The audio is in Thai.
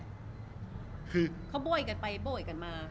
รูปนั้นผมก็เป็นคนถ่ายเองเคลียร์กับเรา